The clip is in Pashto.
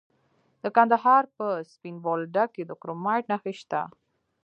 د کندهار په سپین بولدک کې د کرومایټ نښې شته.